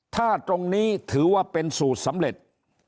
ถ้าตรงนี้ถือว่าเป็นสูตรสำเร็จ